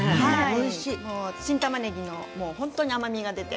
新たまねぎの甘みが出て。